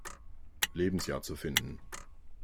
Lebensjahr zu finden.